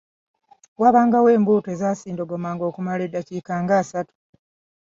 Waabangawo embuutu ezaasindogomanga okumala eddakiika ng’asatu.